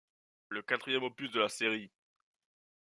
Le quatrième opus de la série.